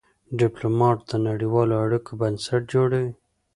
ډيپلومات د نړېوالو اړیکو بنسټ جوړوي.